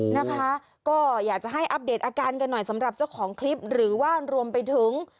นะคะก็อยากจะให้อัปเดตอาการกันหน่อยสำหรับเจ้าของคลิปหรือว่ารวมไปถึง